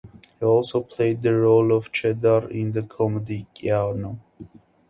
He also played the role of "Cheddar" in the comedy "Keanu".